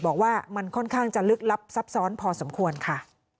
บอกว่ามันค่อนข้างจะลึกลับซับซ้อนพอสมควรค่ะ